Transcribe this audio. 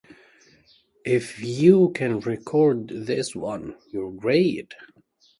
Furuya was active in automobile racing.